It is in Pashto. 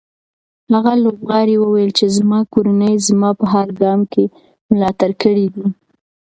هغه لوبغاړی وویل چې زما کورنۍ زما په هر ګام کې ملاتړ کړی دی.